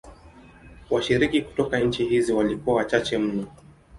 Washiriki kutoka nchi hizi walikuwa wachache mno.